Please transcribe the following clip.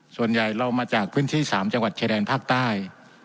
ส่วนใหญ่เรามาจากพื้นที่๓จังหวัดชายแดนภาคใต้